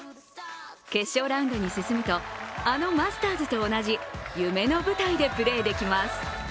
決勝ラウンドに進むとあのマスターズと同じ夢の舞台でプレーできます。